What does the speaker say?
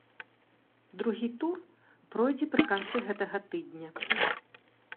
Другі тур пройдзе пры канцы гэтага тыдня.